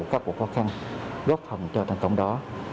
các cuộc khó khăn góp hầm cho thành công đó